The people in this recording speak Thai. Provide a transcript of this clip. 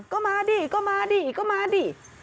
ก็มาดิก็มาดิก็มาดิ